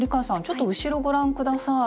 ちょっと後ろをご覧下さい。